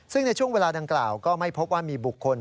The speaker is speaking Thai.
ซึ่งในช่วงเวลาดังกล่าวก็ไม่พบว่ามีบุคคล